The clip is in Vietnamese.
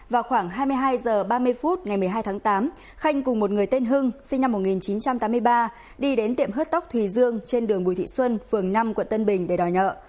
vào khoảng hai mươi hai h ba mươi phút ngày một mươi hai tháng tám khanh cùng một người tên hưng sinh năm một nghìn chín trăm tám mươi ba đi đến tiệm hớt tóc thùy dương trên đường bùi thị xuân phường năm quận tân bình để đòi nợ